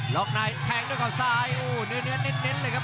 ล็อกไนท์แทงด้วยเข่าซ้ายโอ้เนื้อนิดเลยครับ